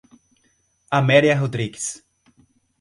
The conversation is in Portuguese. Amélia Rodrigues